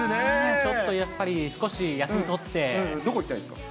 ちょっとやっぱり、少し休みどこ行きたいですか？